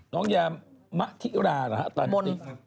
น้องแยมมาทิราหรือเ฼น